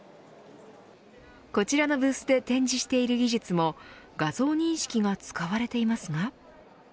こちらのブースで展示している技術も画像認識が使われていますが。